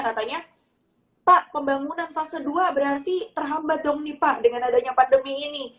katanya pak pembangunan fase dua berarti terhambat dong nih pak dengan adanya pandemi ini